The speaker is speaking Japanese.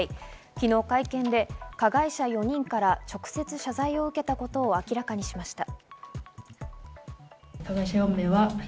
昨日、会見で加害者４人から直接謝罪を受けたことを明らかにしました。